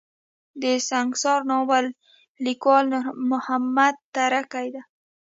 د سنګسار ناول ليکوال نور محمد تره کی دی.